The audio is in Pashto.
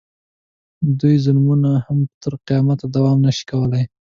د دوی ظلمونه هم تر قیامته دوام نه شي کولی.